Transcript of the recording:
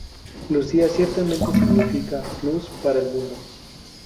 Lucía ciertamente significa "Luz para el mundo".